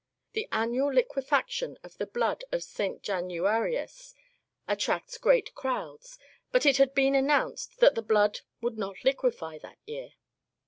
The annual liquefaction of the blood of St. Januarius at tracts great crowds, but it had been announced that the blood would not liquefy that year.